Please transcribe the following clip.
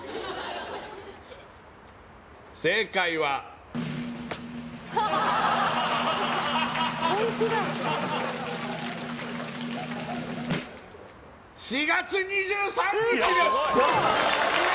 正解は４月２３日です！